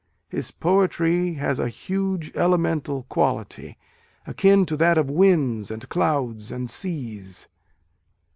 His poetry has a huge elemental quality, akin to that of winds and clouds and seas.